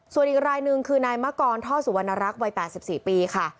ส่วนอีกรายหนึ่งคือนายมะกรท่อสุวรรณรักษ์วัย๘๔ปีค่ะ